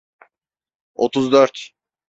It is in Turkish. Otuz dört